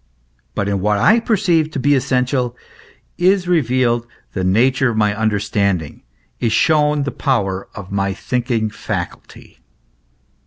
But in what I per ceive to be essential, is revealed the nature of my under standing, is shown the power of my thinking faculty.